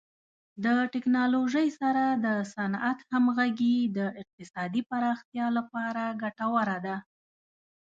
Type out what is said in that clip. د ټکنالوژۍ سره د صنعت همغږي د اقتصادي پراختیا لپاره ګټوره ده.